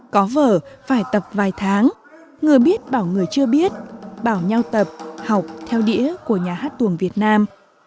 có vở phải tập vài tháng người biết bảo người chưa biết bảo nhau tập học theo đĩa của nhà hát tuồng việt nam